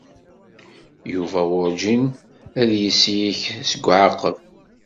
Yuba werǧin ad yeslek seg uɛaqeb.